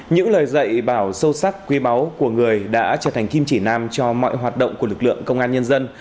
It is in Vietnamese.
những lời dạy bảo sâu sắc quý báu của người đã trở thành kim chỉ nam cho mọi hoạt động của lực lượng công an nhân dân